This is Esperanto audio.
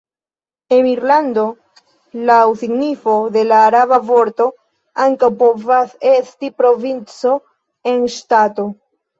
Emirlando, laŭ signifoj de la araba vorto, ankaŭ povas esti provinco en ŝtato.